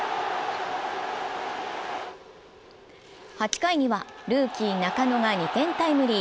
８回にはルーキー・中野が２点タイムリー。